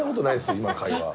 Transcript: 今の会話。